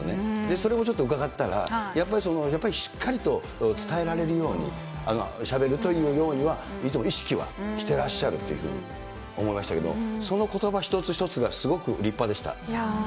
それもちょっと伺ったら、やっぱりしっかりと伝えられるようにしゃべるという用意はいつも意識はしてらっしゃるっていうふうに思いましたけど、そのことば一つ一つがすごく立派でした。